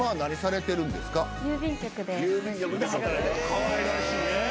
かわいらしいね。